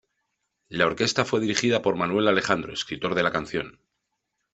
La orquesta fue dirigida por Manuel Alejandro, escritor de la canción.